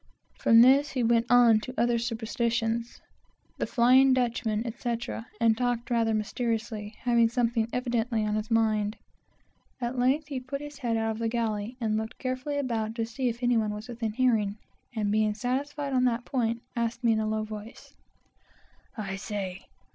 From this he went on to other superstitions, the Flying Dutchman, etc., and talked rather mysteriously, having something evidently on his mind. At length he put his head out of the galley and looked carefully about to see if any one was within hearing, and being satisfied on that point, asked me in a low tone "I say!